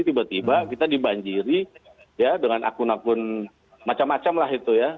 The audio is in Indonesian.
tiba tiba kita dibanjiri ya dengan akun akun macam macam lah itu ya